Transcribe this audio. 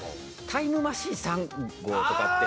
タイムマシーン３号とか。